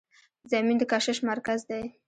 زمین د کشش مرکز دی.